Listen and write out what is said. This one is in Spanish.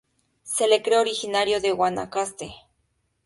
Se le cree originario de Guanacaste.